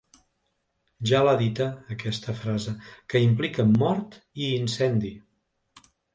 Ja l’ha dita, aquesta frase, que implica mort i incendi.